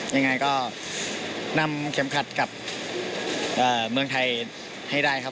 ยังไงก็นำเข็มขัดกับเมืองไทยให้ได้ครับ